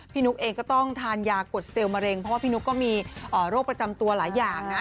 นุ๊กเองก็ต้องทานยากดเซลล์มะเร็งเพราะว่าพี่นุ๊กก็มีโรคประจำตัวหลายอย่างนะ